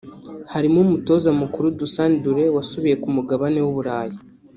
harimo umutoza mukuru Dusan Dule wasubiye ku mugabane w’u Burayi